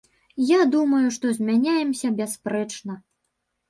Я думаю, што змяняемся бясспрэчна.